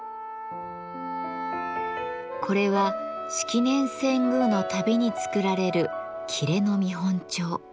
これは式年遷宮のたびに作られる裂の見本帳。